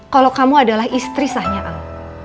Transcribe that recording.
kalau kamu adalah istri sahnya al